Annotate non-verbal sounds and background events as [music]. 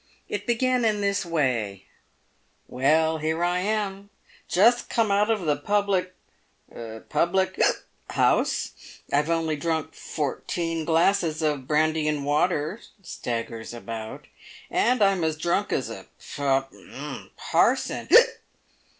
It began in this way :" "Well, here I am, just come out of the public — public [hiccups] house ; I've only drunk fourteen glasses of brandy and water (staggers about), and I'm as drunk as a p p parson